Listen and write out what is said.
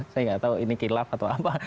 saya nggak tahu ini kilap atau apa